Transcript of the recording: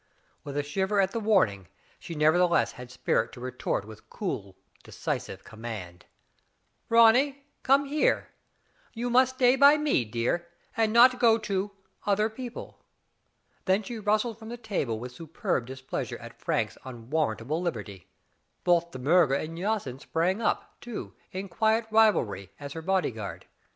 With a shiver at the warning, she nevertheless had spirit to retort with cool, decisive command : Ronny, come here. You must stay by me, dear, and not go to — other people.*' Then she rustled from the table with superb displeasure at Frank's unwarrantable liberty. Both De Miirger and Jacynth sprang up, too, in quick rivalry, as her bodyguard.